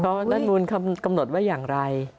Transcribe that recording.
เพราะแน่นมวลเขากำหนดว่าอย่างไร